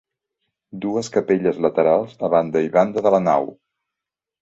Dues capelles laterals a banda i banda de la nau.